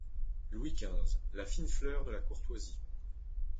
Louis quinze, la fine fleur de la courtoisie !…